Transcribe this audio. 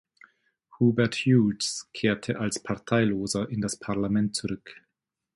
Hubert Hughes kehrte als Parteiloser in das Parlament zurück.